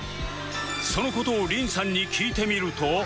その事を凛さんに聞いてみると